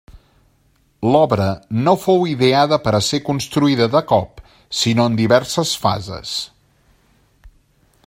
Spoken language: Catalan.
L'obra no fou ideada per a ser construïda de cop sinó en diverses fases.